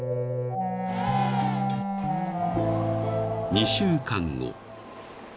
［２週間後］